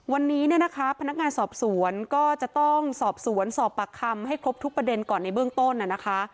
วันนี้เนี่ยนะคะพนักงานสอบสวนก็จะต้องสอบสวนสอบปากคำให้ครบทุกประเด็นก่อนในเบื้องต้นนะคะ